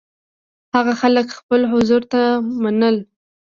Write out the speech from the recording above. هغه خلک خپل حضور ته منل.